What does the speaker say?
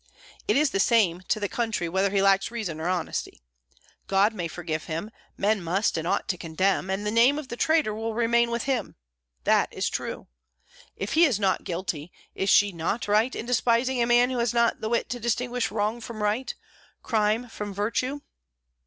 It is the same to the country whether he lacks reason or honesty. God may forgive him; men must and ought to condemn, and the name of traitor will remain with him. That is true! If he is not guilty, is she not right in despising a man who has not the wit to distinguish wrong from right, crime from virtue?"